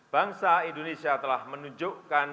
bangsa indonesia telah menunjukkan